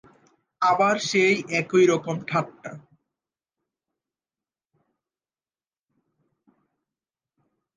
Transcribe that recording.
আবার সেই একই রকম ঠাট্টা!